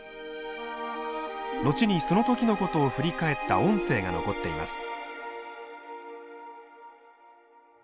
後にその時のことを振り返った音声が残っています。